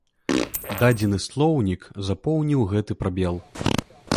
Дадзены слоўнік запоўніў гэты прабел.